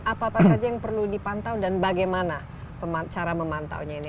apa apa saja yang perlu dipantau dan bagaimana cara memantaunya ini